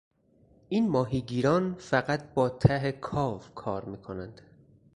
این ماهیگیران فقط با ته کاو کار میکنند.